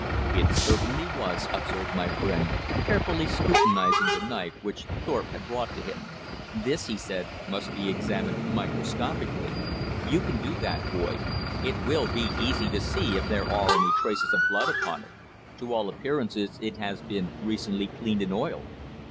"It certainly was," observed my friend, carefully scrutinising the knife, which Thorpe had brought to him. "This," he said, "must be examined microscopically. You can do that, Boyd. It will be easy to see if there are any traces of blood upon it. To all appearances it has been recently cleaned and oiled."